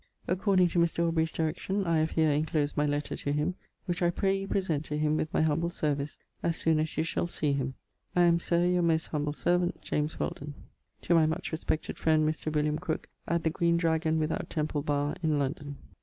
According to Mr. Aubrey's direction I have here inclosed my letter to him, which I pray you present to him with my humble service as soon as you shall see him. I am, Sir, your most humble servant, JAMES WHELDON. To my much respected frend Mr. William Crooke at the Green Dragon without Templebarr In London.